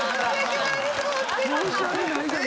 申し訳ないです